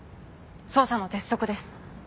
捜査の鉄則です。